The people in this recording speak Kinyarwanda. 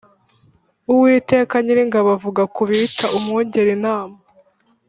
Uwiteka Nyiringabo avuga kubita umwungeri intama